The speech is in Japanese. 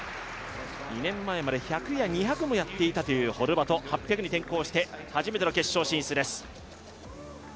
２年前まで１００や２００もやっていたというホルバト、８００に転向して初めての決勝進出です。